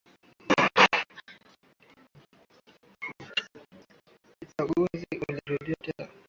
Uchaguzi ulirudiwa tena mwaka elfu mbili na kumi na sita